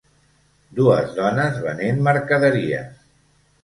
Dues dones venent mercaderies.